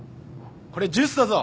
これジュースだぞ！